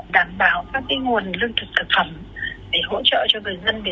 đảm bảo các nguồn lương thực thực phẩm để hỗ trợ cho người dân